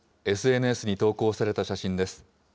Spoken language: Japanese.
ＳＮＳに投稿された写真です。